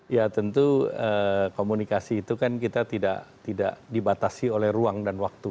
ya tentu komunikasi itu kan kita tidak dibatasi oleh ruang dan waktu